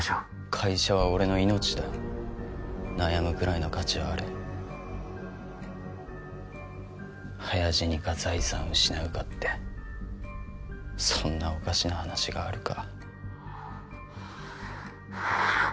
会社は俺の命だ悩むくらいの価値はある早死にか財産失うかってそんなおかしな話があるか？